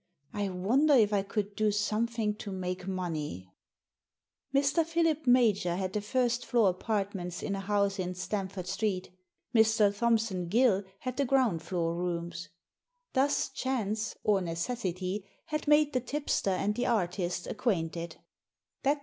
I wonder if I could do something to make money ?" Mr. Philip Major had the first floor apartments in a house in Stamford Street Mr. Thompson Gill had the ground floor rooms. Thus chance, or neces sity, had made the tipster and the artist acquainted.